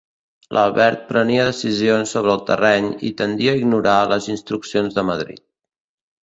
L'Albert prenia decisions sobre el terreny i tendia a ignorar les instruccions de Madrid.